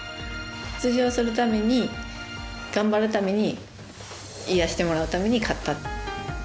出場するために、頑張るために癒やしてもらうために飼った。